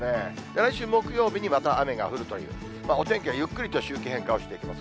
来週木曜日にまた雨が降るという、お天気はゆっくりと周期変化をしていきます。